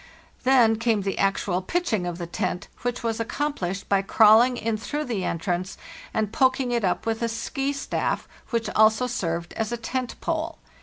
Then came the actual pitching of the tent, which was accomplished by crawling in through the entrance and poking it up with a "ski" staff, which also served as tent pole.